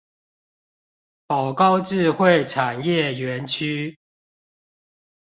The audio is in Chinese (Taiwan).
寶高智慧產業園區